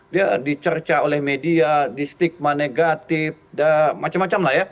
dia dicerca oleh media di stigma negatif macam macam lah ya